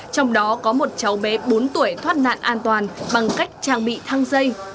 trong đó có một cháu bé bốn tuổi thoát nạn an toàn bằng cách trang bị thăng dây